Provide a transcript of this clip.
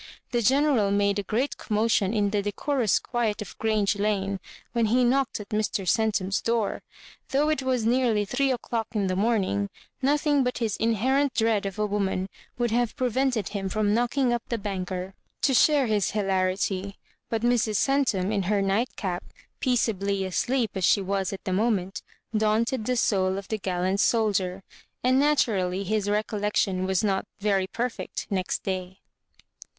The General made a great commotion in the decorous quiet of Grange Lane when he knocked at Mr. Oentum's door. Though it was nearly three o'clock in the morning, nothing but his inherent dread of a woman would have prevented him from knocking up the banker to share his hilari ty; but Mrs. Centum, in her nightcap, peace ably asleep as she was at the moment, daunted the soul of the gallant soldier; and naturally his recollection was not very perfect next day.